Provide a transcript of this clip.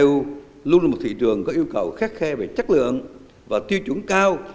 eu luôn là một thị trường có yêu cầu khắc khe về chất lượng và tiêu chuẩn cao